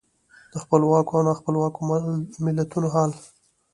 د خپلواکو او نا خپلواکو ملتونو حال.